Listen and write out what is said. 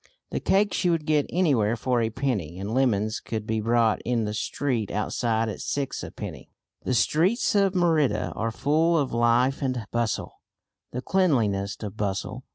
The cakes you would get anywhere for a penny, and lemons could be bought in the street outside at six a penny. The streets of Merida are full of life and bustle, the cleanliest of bustle.